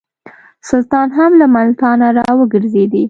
سلطان هم له ملتانه را وګرځېدی.